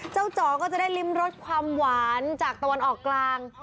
จ๋อก็จะได้ริมรสความหวานจากตะวันออกกลาง